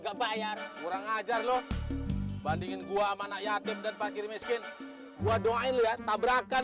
gak bayar kurang ajar loh bandingin gua mana yatim dan fakir miskin gua doain ya tabrakan